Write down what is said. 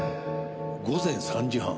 午前３時半。